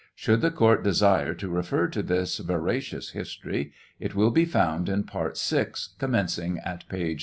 Should the court desire to refer to this veracious history, it will be found in part 6, commencing at page 398.